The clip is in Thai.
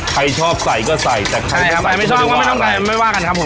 ใครชอบใส่ก็ใส่แต่ใครครับใส่ไม่ชอบก็ไม่ต้องใส่ไม่ว่ากันครับผม